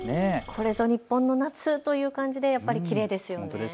これぞ日本の夏という感じでやっぱりきれいですよね。